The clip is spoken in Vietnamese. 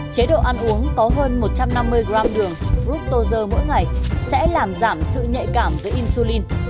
chế độ ăn uống có hơn một trăm năm mươi gram đường grouptozer mỗi ngày sẽ làm giảm sự nhạy cảm với insulin